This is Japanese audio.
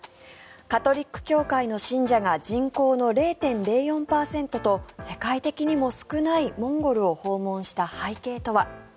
カトリック教会の信者が人口の０．０４％と世界的にも少ないモンゴルを訪問した背景とは。